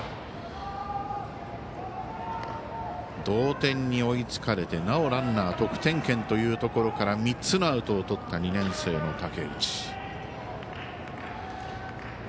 同点に追いつかれてなおランナー得点圏というところから３つのアウトをとった２年生の武内。